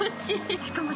しかもさ